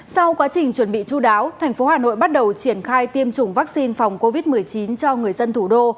sau quá trình chuẩn bị chú đáo thành phố hà nội bắt đầu triển khai tiêm chủng vaccine phòng covid một mươi chín cho người dân thủ đô